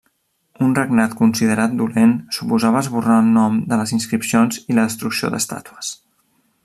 Un regnat considerat dolent suposava esborrar el nom de les inscripcions i la destrucció d'estàtues.